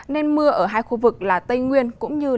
nên mưa ở hai khu vực là tây nguyên cũng như đà nẵng